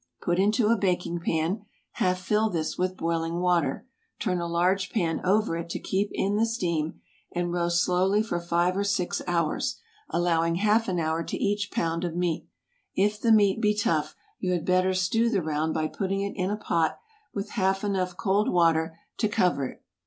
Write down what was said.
Put into a baking pan; half fill this with boiling water; turn a large pan over it to keep in the steam, and roast slowly for five or six hours, allowing half an hour to each pound of meat. If the beef be tough, you had better stew the round by putting it in a pot with half enough cold water to cover it.